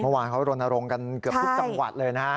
เมื่อวานเขารณรงค์กันเกือบทุกจังหวัดเลยนะฮะ